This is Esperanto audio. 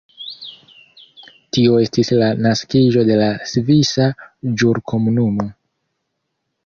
Tio estis la naskiĝo de la Svisa Ĵurkomunumo.